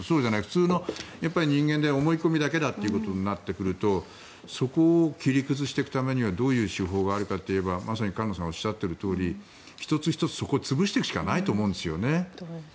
普通の人間で思い込みだけだということになっていくとそこを切り崩していくためにはどういう手法があるかといえばまさに菅野さんがおっしゃったように１つ１つ、そこを潰していくしかないと思うんですよね。